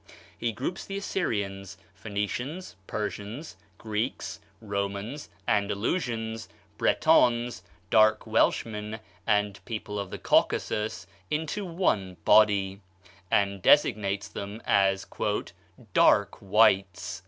He groups the Assyrians, Phoenicians, Persians, Greeks, Romans, Andalusians, Bretons, dark Welshmen, and people of the Caucasus into one body, and designates them as "dark whites."